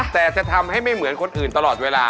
แต่จะทำให้ไม่เหมือนคนอื่นตลอดเวลา